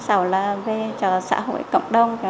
sau là về cho xã hội cộng đồng